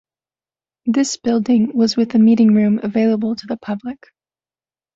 This building was with a meeting room available to the public.